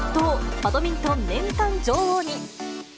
バドミントン年間女王に。